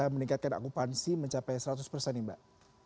meningkatkan akupansi mencapai seratus mbak